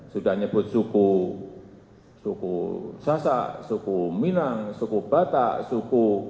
sudah nyebut suku suku sasak suku minang suku batak suku